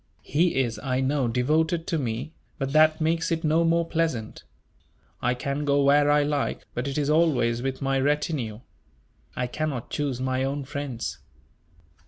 He is, I know, devoted to me; but that makes it no more pleasant. I can go where I like, but it is always with my retinue. I cannot choose my own friends."